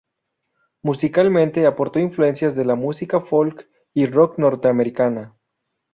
Musicalmente, aportó influencias de la música folk y rock norteamericana.